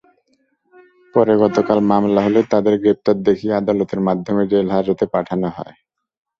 পরে গতকাল মামলা হলে তাঁদের গ্রেপ্তার দেখিয়ে আদালতের মাধ্যমে জেলহাজতে পাঠানো হয়।